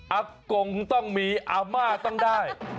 อากงต้องมีอาม่าต้องได้